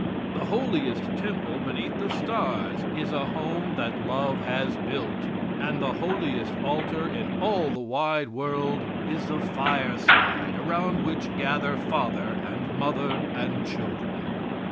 The holiest temple beneath the stars is a home that love has built. And the holiest altar in all the wide world is the fireside around which gather father and mother and children.